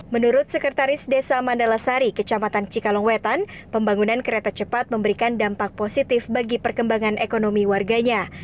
menurut sekretaris desa mandala sari kecamatan cikalongwetan pembangunan kereta cepat memberikan dampak positif bagi perkembangan ekonomi warganya